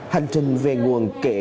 hành trình về nguồn kể